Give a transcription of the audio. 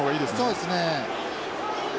そうですね。